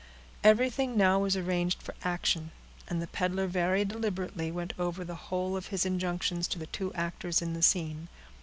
Everything now was arranged for action, and the peddler very deliberately went over the whole of his injunctions to the two actors in the scene.